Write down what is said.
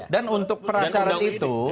dan untuk perasaran itu